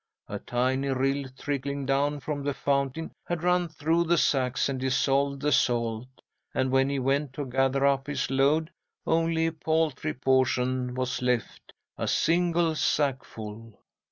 A tiny rill, trickling down from the fountain, had run through the sacks and dissolved the salt, and when he went to gather up his load, only a paltry portion was left, a single sackful.